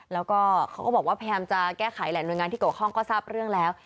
แล้วก็เขาก็บอกว่าพยายามจะแก้ไขแหละหน่วยงานที่เกี่ยวข้องก็ทราบเรื่องแล้ว